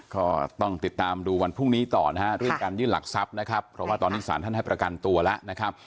ก็ต้องติดตามดูวันพรุ่งนี้ต่อนะฮะเรื่องการยื่นหลักทรัพย์นะครับเพราะว่าตอนนี้สารท่านให้ประกันตัวแล้วนะครับ